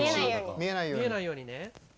見えないようにね。